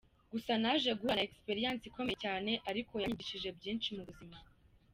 Gusa naje guhura na expérience ikomeye cyane ariko yanyigishije byinshi mu buzima.